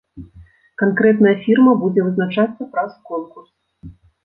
Канкрэтная фірма будзе вызначацца праз конкурс.